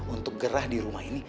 untuk gerah di rumah ini